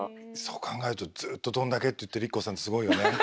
そう考えるとずっと「どんだけ」って言ってるＩＫＫＯさんってすごいよね。